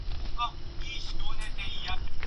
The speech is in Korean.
신발 소리를 들은 저편은 질겁을 하여 달아난다.